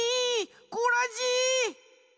コラジ！